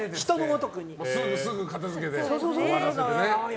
すぐ片づけて終わらせてね。